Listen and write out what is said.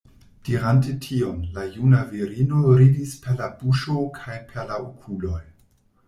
Dirante tion, la juna virino ridis per la buŝo kaj per la okuloj.